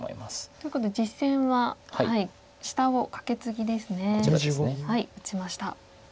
ということで実戦は下をカケツギですね打ちました。